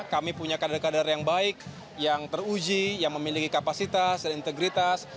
kami punya kader kader yang baik yang teruji yang memiliki kapasitas dan integritas